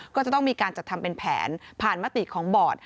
ก็จะต้องมีการจัดทำเป็นแผนผ่านมติของบอร์ด